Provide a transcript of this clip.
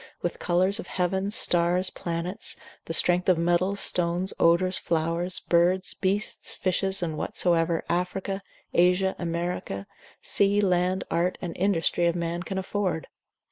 with colours of heavens, stars, planets: the strength of metals, stones, odours, flowers, birds, beasts, fishes, and whatsoever Africa, Asia, America, sea, land, art, and industry of man can afford?